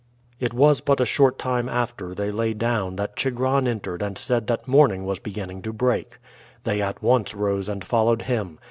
It was but a short time after they lay down that Chigron entered and said that morning was beginning to break. They at once rose and followed him.